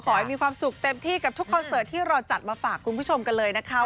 ขอให้มีความสุขเต็มที่กับทุกคอนเสิร์ตที่เราจัดมาฝากคุณผู้ชมกันเลยนะคะ